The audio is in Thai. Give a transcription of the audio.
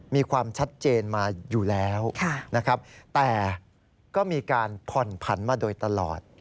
มีความชัดเจนมาอยู่แล้วนะครับแต่ก็มีการผ่อนผันมาโดยตลอด